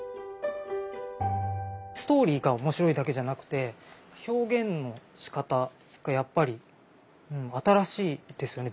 ストーリーが面白いだけじゃなくて表現のしかたがやっぱり新しいですよね